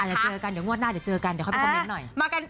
เดี๋ยวเงิดหน้าเดี๋ยวเจอกันเดี๋ยวเข้าไปคอมเมคหน่อย